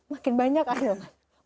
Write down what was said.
makin banyak adil kan